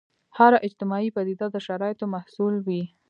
هره اجتماعي پدیده د شرایطو محصول وي.